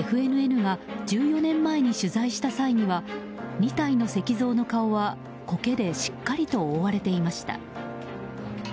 ＦＮＮが１４年前に取材した際には２体の石造の顔は、コケでしっかりと覆われていました。